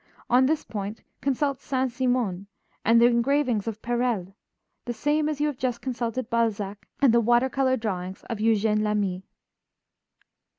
On this point consult Saint Simon and the engravings of Perelle, the same as you have just consulted Balzac and the water color drawings of Eugene Lami.